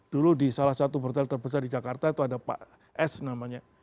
dulu di salah satu hotel terbesar di jakarta itu ada pak s namanya